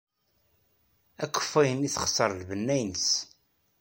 Akeffay-nni texṣer lbenna-nnes.